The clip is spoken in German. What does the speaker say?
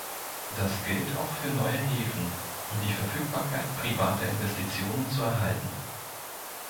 Das gilt auch für neue Häfen, um die Verfügbarkeit privater Investitionen zu erhalten.